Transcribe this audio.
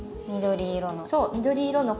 緑色の。